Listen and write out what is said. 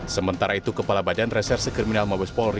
sementara itu kepala badan reserse kriminal mabes polri